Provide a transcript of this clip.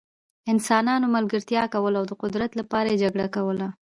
انسانانو ملګرتیا کوله او د قدرت لپاره یې جګړه کوله.